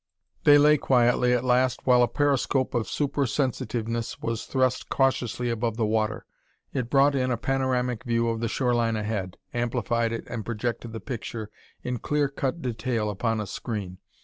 They lay quietly at last while a periscope of super sensitiveness was thrust cautiously above the water. It brought in a panoramic view of the shoreline ahead, amplified it and projected the picture in clear cut detail upon a screen.